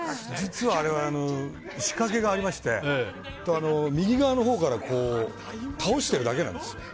実は、あれは仕掛けがありまして右側のほうから倒してるだけなんです。